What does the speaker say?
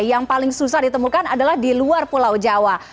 yang paling susah ditemukan adalah di luar pulau jawa